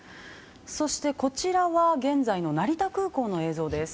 そして、こちらは現在の成田空港の映像です。